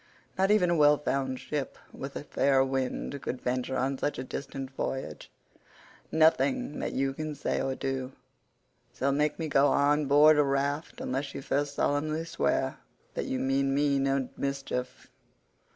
Not even a well found ship with a fair wind could venture on such a distant voyage: nothing that you can say or do shall make me go on board a raft unless you first solemnly swear that you mean me no mischief."